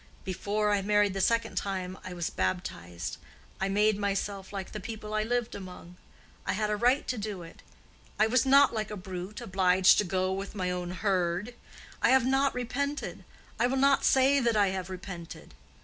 Before I married the second time I was baptized; I made myself like the people I lived among. I had a right to do it; I was not like a brute, obliged to go with my own herd. I have not repented; I will not say that I have repented.